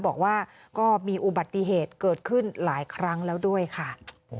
บอกว่าก็มีอุบัติเหตุเกิดขึ้นหลายครั้งแล้วด้วยค่ะ